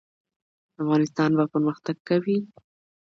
افغانستان به پرمختګ کوي